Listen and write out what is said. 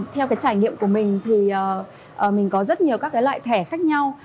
theo cái trải nghiệm của mình thì mình có rất nhiều các cái loại thẻ khác nhau